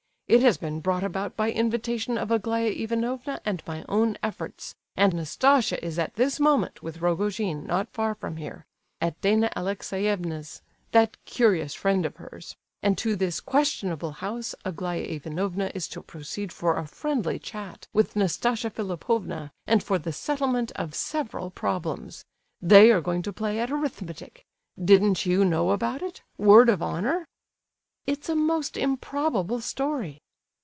It has been brought about by invitation of Aglaya Ivanovna and my own efforts, and Nastasia is at this moment with Rogojin, not far from here—at Dana Alexeyevna's—that curious friend of hers; and to this questionable house Aglaya Ivanovna is to proceed for a friendly chat with Nastasia Philipovna, and for the settlement of several problems. They are going to play at arithmetic—didn't you know about it? Word of honour?" "It's a most improbable story."